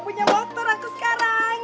punya motor aku sekarang